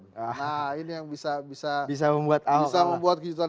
nah ini yang bisa membuat kejutan